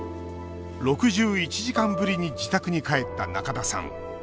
６１時間ぶりに自宅に帰った仲田さん。